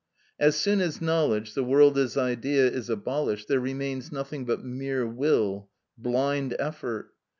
As soon as knowledge, the world as idea, is abolished, there remains nothing but mere will, blind effort.